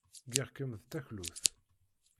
Ggiɣ-kem d taklut.